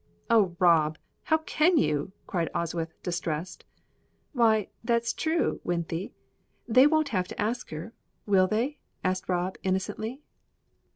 "Oh, Rob; how can you?" cried Oswyth, distressed. "Why, that's true, Wythie; they won't have to ask her, will they?" said Rob, innocently.